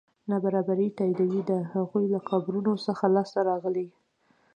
نابرابري تاییدوي د هغوی له قبرونو څخه لاسته راغلي.